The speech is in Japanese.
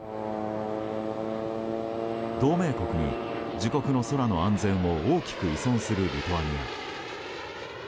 同盟国に自国の空の安全を大きく依存するリトアニア。